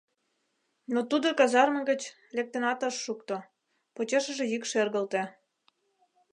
Но тудо казарме гыч лектынат ыш шукто, почешыже йӱк шергылте: